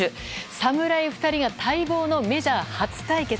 侍２人が待望のメジャー初対決。